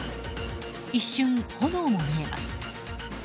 一瞬、炎も見えます。